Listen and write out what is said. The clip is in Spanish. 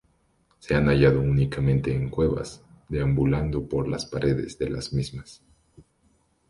Se han hallado únicamente en cuevas, deambulando por las paredes de las mismas.